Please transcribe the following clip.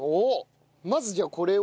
まずじゃあこれを？